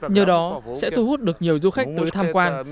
nhờ đó sẽ thu hút được nhiều du khách tới tham quan